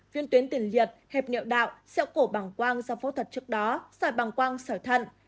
viên tuyến tiền liệt hẹp niệu đạo sẹo cổ bằng quang sau phẫu thuật trước đó sỏi bằng quang sỏi thận